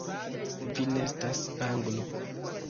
Vi ne estas Anglo!